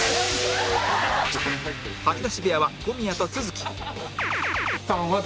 吐き出し部屋は小宮と都築